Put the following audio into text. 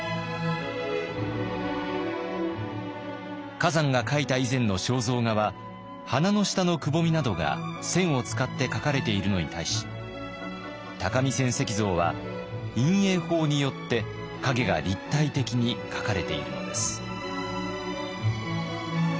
崋山が描いた以前の肖像画は鼻の下のくぼみなどが線を使って描かれているのに対し「鷹見泉石像」は陰影法によって影が立体的に描かれているのです。